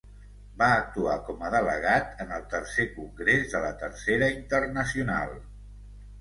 Va actuar com a delegat en el Tercer Congrés de la Tercera Internacional.